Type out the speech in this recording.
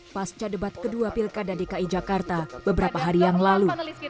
pasca debat kedua pilkada dki jakarta beberapa hari yang lalu